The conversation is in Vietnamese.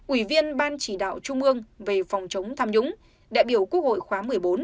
ủy viên ban chỉ đạo trung ương về phòng chống tham nhũng đại biểu quốc hội khóa một mươi bốn